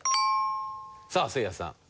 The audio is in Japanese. さあせいやさん。